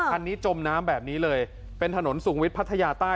อันนี้จมน้ำแบบนี้เลยเป็นถนนสูงวิทย์พัทยาใต้